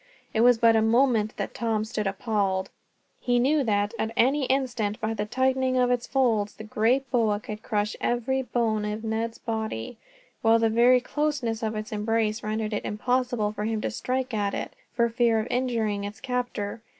It was but a moment that Tom stood appalled. He knew that, at any instant, by the tightening of its folds the great boa could crush every bone of Ned's body; while the very closeness of its embrace rendered it impossible for him to strike at it, for fear of injuring its captor.